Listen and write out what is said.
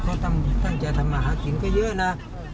เขาตั้งใจทำมาหากินก็เยอะนะ